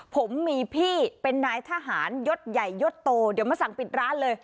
ผมมีพี่เป็นนายทหารยศใหญ่ยศโตเดี๋ยวมาสั่งปิดร้านเลย